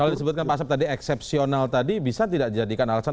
kalau disebutkan pak asep tadi eksepsional tadi bisa tidak dijadikan alasan